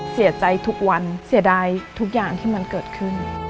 เสียใจทุกวันเสียดายทุกอย่างที่มันเกิดขึ้น